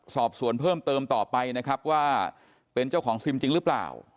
สอบสวนเพิ่มเติมต่อไปนะครับว่าเป็นเจ้าของซิมจริงหรือเปล่า